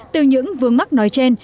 từ những vương mắc nói trên